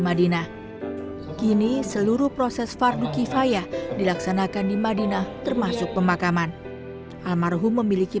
madinah kini seluruh proses varki faya dilaksanakan di madinah termasuk pemakaman almarhome memiliki